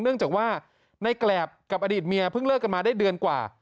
เนื่องจากว่าในแกรบกับอดีตเมียเพิ่งเลิกกันมาได้เดือนกว่า